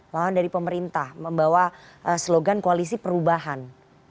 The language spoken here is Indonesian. lawan dari pemerintah membawa slogan koalisi perubahan